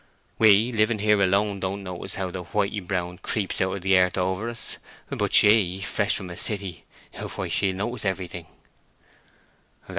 We, living here alone, don't notice how the whitey brown creeps out of the earth over us; but she, fresh from a city—why, she'll notice everything!"